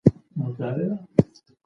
که چاپېریال خوندي وي، اقتصاد پیاوړی کېږي.